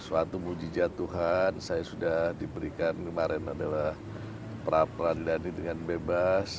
suatu mujizat tuhan saya sudah diberikan kemarin adalah peran peran diadani dengan bebas